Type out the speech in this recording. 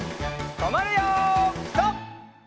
とまるよピタ！